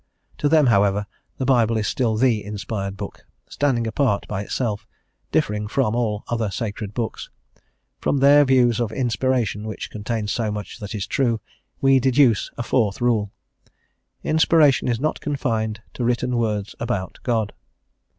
To them, however, the Bible is still the inspired book, standing apart by itself, differing from all other sacred books. From their views of inspiration, which contains so much that is true, we deduce a fourth rule: "Inspiration is not confined to written words about God."